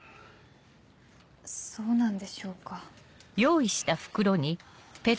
そうなんでしょうか。